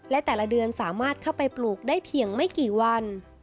และแต่ละเดือนสามารถเข้าไปปลูกได้เพียงไม่กี่วัน